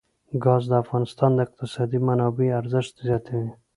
ګاز د افغانستان د اقتصادي منابعو ارزښت زیاتوي.